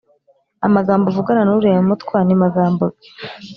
«amagambo uvugana n'uriya mutwa ni magambo ki ?